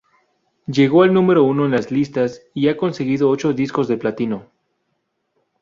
Llegó al número uno en las listas y ha conseguido ocho discos de platino.